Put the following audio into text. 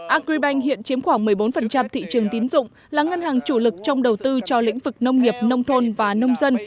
agribank hiện chiếm khoảng một mươi bốn thị trường tín dụng là ngân hàng chủ lực trong đầu tư cho lĩnh vực nông nghiệp nông thôn và nông dân